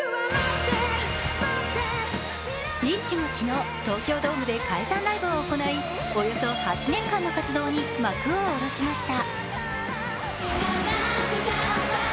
ＢｉＳＨが昨日、東京ドームで解散ライブを行いおよそ８年間の活動に幕を下ろしました。